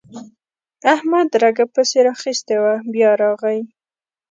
احمد رګه پسې راخيستې وه؛ بيا راغی.